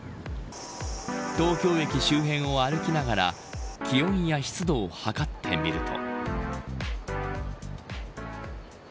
東京駅周辺を歩きながら気温や湿度を測ってみると。